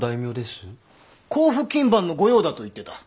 甲府勤番の御用だと言ってた。